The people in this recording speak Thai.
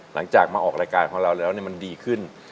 หลังจากมาออกรายการของเราแล้วมันดีขึ้น